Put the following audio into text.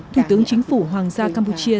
thủ tướng chính phủ hoàng gia campuchia